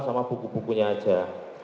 sama buku bukunya aja